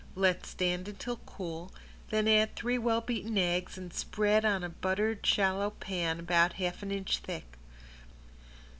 Let stand until cool, then add three well beaten eggs and spread on a buttered shallow pan about half an inch thick.